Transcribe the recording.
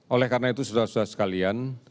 oleh karena itu saudara saudara sekalian